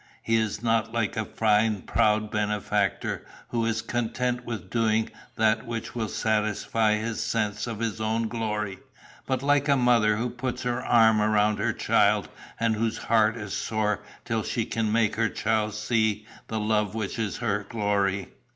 He is not like a fine proud benefactor, who is content with doing that which will satisfy his sense of his own glory, but like a mother who puts her arm round her child, and whose heart is sore till she can make her child see the love which is her glory.